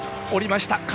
降りました。